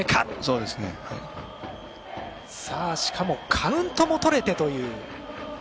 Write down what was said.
カウントもとれてという。